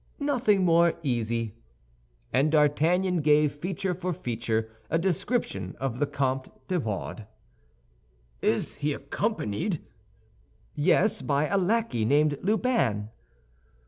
"Nothing more easy." And D'Artagnan gave, feature for feature, a description of the Comte de Wardes. "Is he accompanied?" "Yes; by a lackey named Lubin."